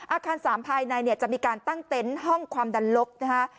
อาการ๓ภายในจะมีการตั้งเต้นห้องความดันลกนะคะ